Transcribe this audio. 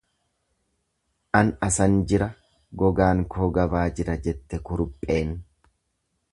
An asan jira gogaan koo gabaa jira jette kurupheen.